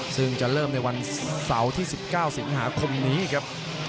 ซึ่งจะเริ่มในวันเสาร์ที่๑๙สิงหาคมนี้ครับ